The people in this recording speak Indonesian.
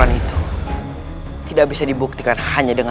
untuk menyelamatkan anda